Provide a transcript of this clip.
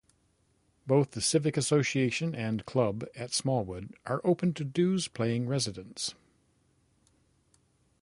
Both the Civic Association and Club at Smallwood are open to dues-paying residents.